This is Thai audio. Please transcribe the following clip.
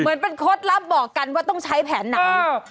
เหมือนเป็นโค้ดลับบอกกันว่าต้องใช้แผนไหน